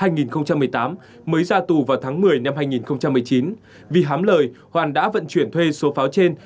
năm hai nghìn một mươi bốn hai nghìn một mươi tám mới ra tù vào tháng một mươi năm hai nghìn một mươi chín vì hám lời hoàn đã vận chuyển thuê số pháo trên